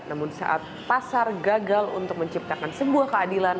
namun saat pasar gagal untuk menciptakan sebuah keadilan